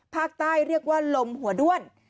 ภาคใต้เรียกว่าลมหัวด้วน